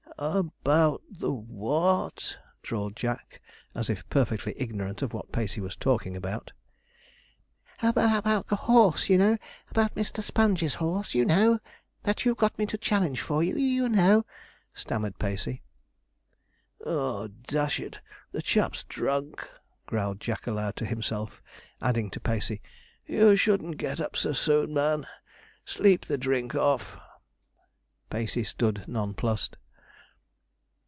'About the w h a w t?' drawled Jack, as if perfectly ignorant of what Pacey was talking about. 'About the horse, you know about Mr. Sponge's horse, you know that you got me to challenge for you, you know,' stammered Pacey. 'Oh, dash it, the chap's drunk,' growled Jack aloud to himself, adding to Pacey, 'you shouldn't get up so soon, man sleep the drink off.' Pacey stood nonplussed.